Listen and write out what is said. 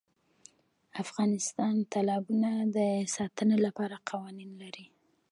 افغانستان د تالابونه د ساتنې لپاره قوانین لري.